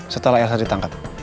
setelah ilsa ditangkap